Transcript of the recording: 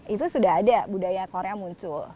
itu sudah ada budaya korea muncul